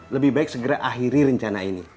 lebih baik segera akhiri rencana ini